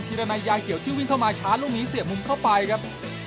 รณัยยางเขียวที่วิ่งเข้ามาชาร์จลูกนี้เสียบมุมเข้าไปครับ